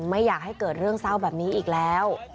ไม่อยากให้เกิดเรื่องเศร้าแบบนี้อีกแล้ว